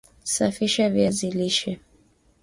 safisha viazi lishe